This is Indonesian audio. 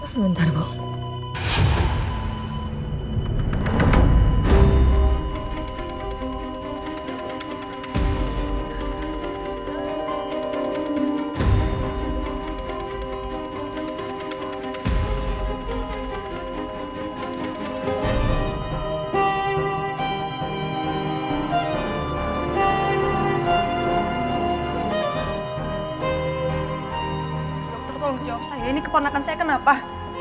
dokter tolong jawab saya ini keponakan saya kenapa